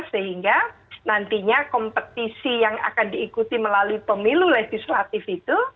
sehingga nantinya kompetisi yang akan diikuti melalui pemilu legislatif itu